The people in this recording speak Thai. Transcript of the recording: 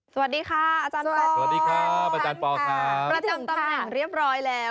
สวัสดีค่ะอาจารย์ปอล์สวัสดีค่ะประจำตำแหน่งเรียบร้อยแล้ว